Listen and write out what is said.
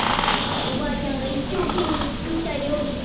おばあちゃんがいっしょうけんめいつくったりょうりじゃ。